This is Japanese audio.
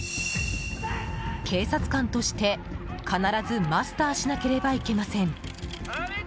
警察官として、必ずマスターしなければいけません。